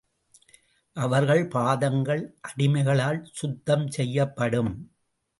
அவர்கள் பாதங்கள் அடிமைகளால் சுத்தம் செய்யப்படும்.